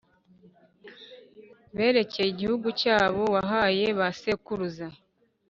berekeye igihugu cyabo wahaye ba sekuruza,